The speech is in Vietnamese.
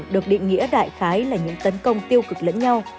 được định nghĩa đại khái là những tấn công tiêu cực lẫn nhau